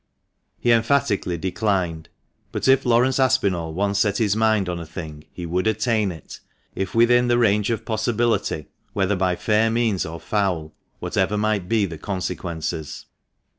He emphatically declined. But if Laurence Aspinall once set his mind on a thing he would attain it, if within the range of possibility, whether by fair means or foul, whatever might be the con sequences.